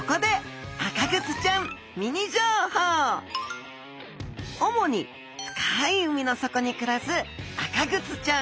ここで主に深い海の底に暮らすアカグツちゃん。